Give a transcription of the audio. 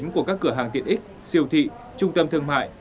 của các cửa hàng tiện ích siêu thị trung tâm thương mại